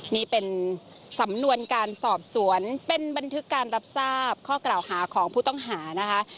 นี่เป็นสำนวนการสอบสวนเป็นบันทึกการรับทราบข้อกล่าวหาของผู้ต้องหานะคะ